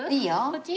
こっち？